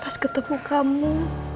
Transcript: pas ketemu kamu